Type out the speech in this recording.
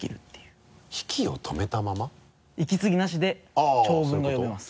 息継ぎなしで長文が読めます。